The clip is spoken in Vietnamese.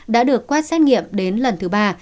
đã được quát xét nghiệm đến lần thứ ba